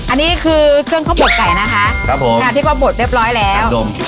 อันนี้คือเครื่องข้าวบดไก่นะคะครับผมค่ะที่เขาบดเรียบร้อยแล้วดม